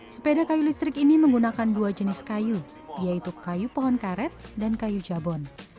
sepeda kayu listrik ini menggunakan dua jenis kayu yaitu kayu pohon karet dan kayu jabon